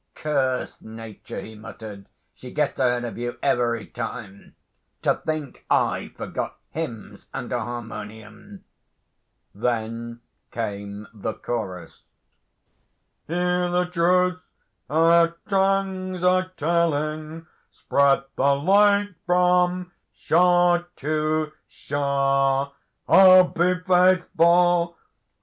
'Curse Nature,' he muttered. 'She gets ahead of you every time. To think I forgot hymns and a harmonium!' Then came the chorus: Hear ther truth our tongues are telling, Spread ther light from shore to shore Oh, be faithful!